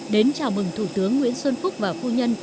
đến chào mừng thủ tướng nguyễn xuân phúc và phu nhân